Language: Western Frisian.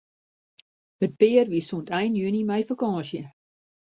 It pear wie sûnt ein juny mei fakânsje.